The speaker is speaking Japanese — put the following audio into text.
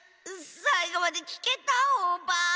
さいごまできけたオバ！